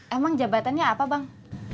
emang jabatannya apa bang